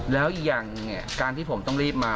แล้วอย่างการที่ผมต้องรีบมา